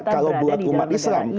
kalau buat umat islam